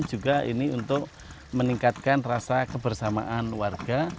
juga ini untuk meningkatkan rasa kebersamaan warga